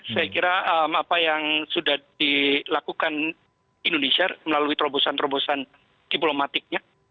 saya kira apa yang sudah dilakukan indonesia melalui terobosan terobosan diplomatiknya